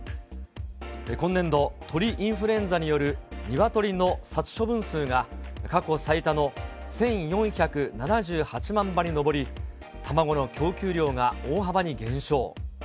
今年度、鳥インフルエンザによるニワトリの殺処分数が過去最多の１４７８万羽に上り、卵の供給量が大幅に減少。